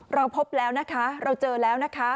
เราพบแล้วนะคะเราเจอแล้วนะคะ